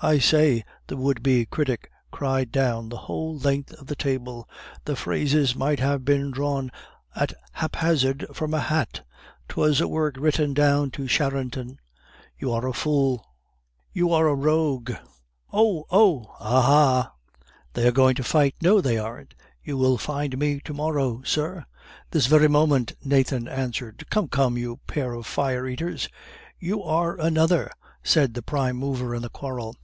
"I say," the would be critic cried down the whole length of the table. "The phrases might have been drawn at hap hazard from a hat, 'twas a work written 'down to Charenton.'" "You are a fool!" "And you are a rogue!" "Oh! oh!" "Ah! ah!" "They are going to fight." "No, they aren't." "You will find me to morrow, sir." "This very moment," Nathan answered. "Come, come, you pair of fire eaters!" "You are another!" said the prime mover in the quarrel.